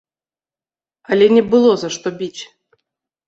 Але не было за што біць.